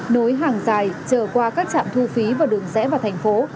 nối hàng dài chờ qua các trạm thu phí và đường rẽ vào thành phố